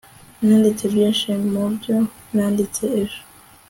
nanditse byinshi mubyo nanditse ejo